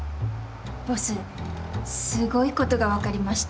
ボスすごいことがわかりました。